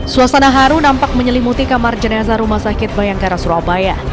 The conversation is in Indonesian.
suasana haru nampak menyelimuti kamar jenazah rumah sakit bayangkara surabaya